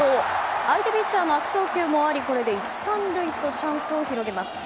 相手ピッチャーの悪送球もありこれで１、３塁とチャンスを広げます。